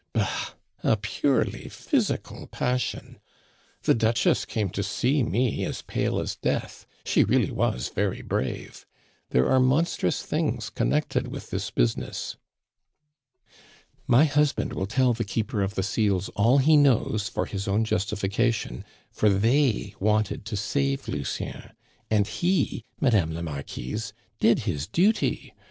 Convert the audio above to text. Bah! A purely physical passion. The Duchess came to see me as pale as death; she really was very brave. There are monstrous things connected with this business." "My husband will tell the Keeper of the Seals all he knows for his own justification, for they wanted to save Lucien, and he, Madame la Marquise, did his duty.